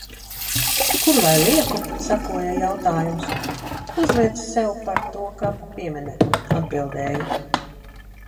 "Kur lai lieku?" sekoja jautājums. "Uzliec sev par to kapa pieminekli," atbildēju.